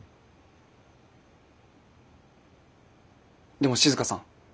でも静さん。